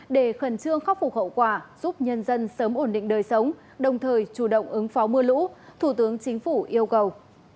để khẩn trương khắc phục hậu quả giúp nhân dân sớm ổn định đời sống đồng thời chủ động ứng phó mưa lũ thủ tướng chính phủ yêu cầu